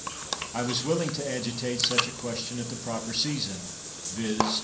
I was willing to agitate such a question at the proper season, viz.